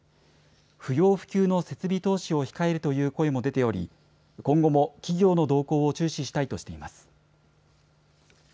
不要不急の設備投資を控えるという声も出ており今後も企業の動向を注視したいとしています。